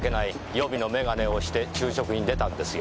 予備の眼鏡をして昼食に出たんですよ。